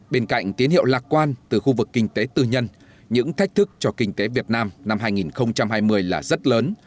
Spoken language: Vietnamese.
bên cạnh tiến hiệu lạc quan từ khu vực kinh tế tư nhân những thách thức cho kinh tế việt nam năm hai nghìn hai mươi là rất lớn